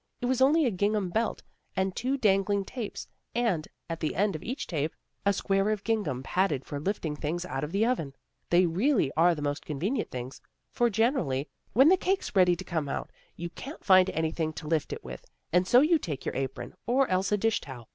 It was only a gingham belt, with two dangling tapes, and, at the end of each tape, a square of gingham padded for lifting things out of the oven. They really are the most convenient things; for, generally, when the cake's ready to come out, you can't find anything to lift it with, and so you take your apron, or else a dish towel.